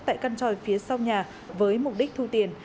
tại căn tròi phía sau nhà với mục đích thu tiền